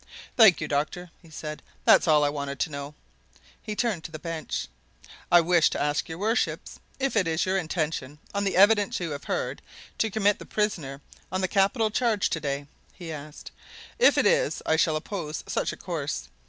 "Thank you, doctor," he said; "that's all I wanted to know." He turned to the bench. "I wish to ask your worships, if it is your intention, on the evidence you have heard, to commit the prisoner on the capital charge today?" he asked. "If it is, I shall oppose such a course.